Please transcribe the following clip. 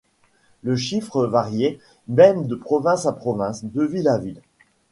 Le chiffre variait même de province à province, de ville à ville.